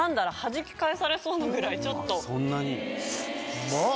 うまっ！